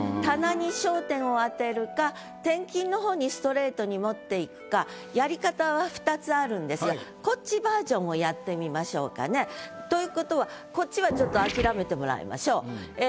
棚に焦点を当てるか転勤のほうにストレートに持っていくかやり方は２つあるんですがこっちバージョンをやってみましょうかね。ということはこっちはちょっと諦めてもらいましょう。